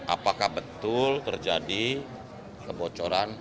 apakah betul terjadi kebocoran